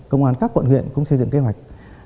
công an các quận huyện cũng xây dựng kế hoạch